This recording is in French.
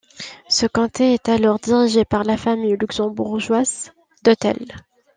Ce comté est alors dirigé par la famille luxembourgeoise d'Autel.